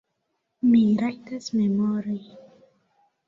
Mi rajtas memori.